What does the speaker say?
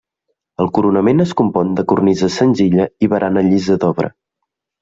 El coronament es compon de cornisa senzilla i barana llisa d'obra.